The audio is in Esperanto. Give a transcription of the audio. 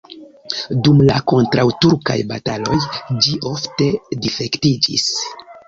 Dum la kontraŭturkaj bataladoj ĝi ofte difektiĝis.